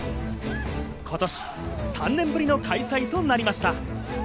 今年、３年ぶりの開催となりました。